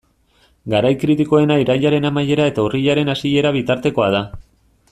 Garai kritikoena irailaren amaiera eta urriaren hasiera bitartekoa da.